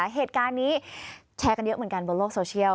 เหตุการณ์นี้แชร์กันเยอะเหมือนกันบนโลกโซเชียล